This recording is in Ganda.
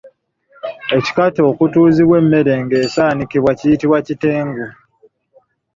Ekikata okutuuzibwa emmere ng’esaanikibwa kiyitibwa kitengu.